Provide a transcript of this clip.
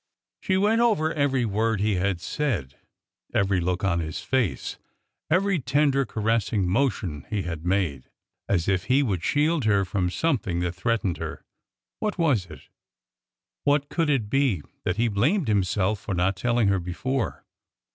She went over every word he had said — every look on his face— every tender, caressing motion he had made, as if he would shield her from something that threatened her. ... What was it ? What could it be that he blamed himself for not telling her before?